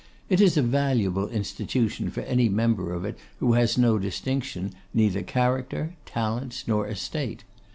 It is a valuable institution for any member of it who has no distinction, neither character, talents, nor estate.